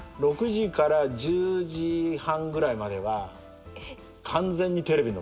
６時から１０時半ぐらいまでは完全にテレビの前ですね。